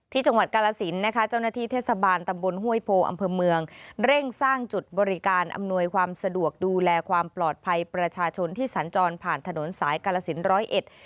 จังหวัดกาลสินนะคะเจ้าหน้าที่เทศบาลตำบลห้วยโพอำเภอเมืองเร่งสร้างจุดบริการอำนวยความสะดวกดูแลความปลอดภัยประชาชนที่สัญจรผ่านถนนสายกาลสินร้อยเอ็ด